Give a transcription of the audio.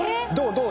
どう？